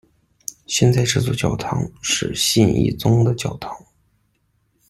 现在这座教堂是信义宗的教堂。